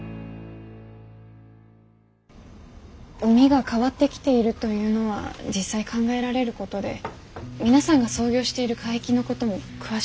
海が変わってきているというのは実際考えられることで皆さんが操業している海域のことも詳しく解析できますし。